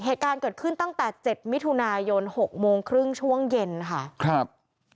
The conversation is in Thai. เหตุการณ์เกิดขึ้นตั้งแต่เจ็ดมิถุนายนหกโมงครึ่งช่วงเย็นค่ะครับ